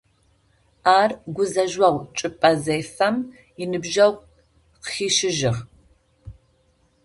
Ар гузэжъогъу чӏыпӏэ зефэм, иныбджэгъу къыхищыжьыгъ.